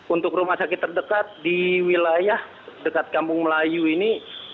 untuk rumah sakit terdekat di wilayah dekat kampung melayu ini